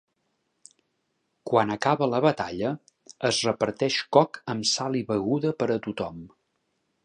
Quan acaba la batalla es reparteix coc amb sal i beguda per a tothom.